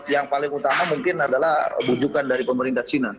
yang paling utama mungkin adalah bujukan dari pemerintah china